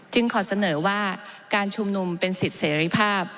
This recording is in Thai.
ขอเสนอว่าการชุมนุมเป็นสิทธิเสรีภาพ